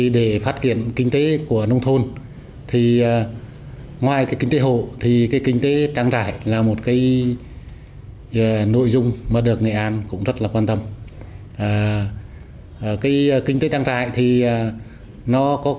để phát triển kinh tế của nông thôn ngoài kinh tế hộ kinh tế trang trại là một nội dung được người an phát triển